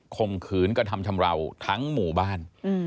ข่มขืนกระทำชำราวทั้งหมู่บ้าน